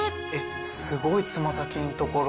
すごいつま先のところ。